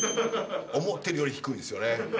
思ってるより低いですよね。